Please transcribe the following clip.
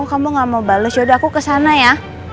kamu gak mau bales yaudah aku kesana ya